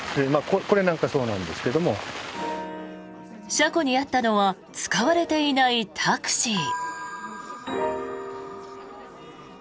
車庫にあったのは使われていないタクシー。